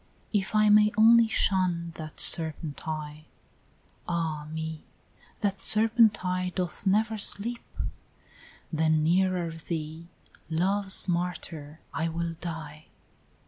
"If I may only shun that serpent eye, " "Ah me! that serpent eye doth never sleep; " "Then, nearer thee, Love's martyr, I will die!